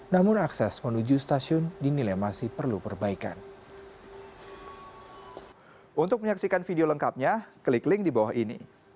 namun akses menuju stasiun dinilai masih perlu perbaikan